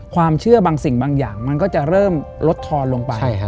ความเชื่อบางสิ่งบางอย่างมันก็จะเริ่มลดทอนลงไป